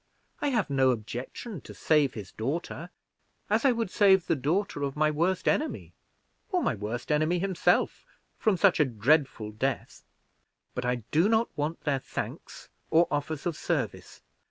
I have no objection to save his daughter, as I would save the daughter of my worst enemy, or my worst enemy himself, from such a dreadful death; but I do not want their thanks or offers of service.